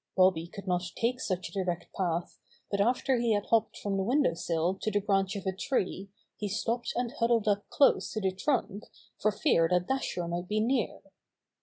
Bobby could not take such a direct path, but after he had hopped from the window sill to the branch of a tree he stopped and huddled up close to the trunk for fear that Dasher might be near.